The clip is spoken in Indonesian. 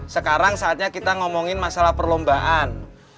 sekarang saatnya kita ngomongin masalah perlombaan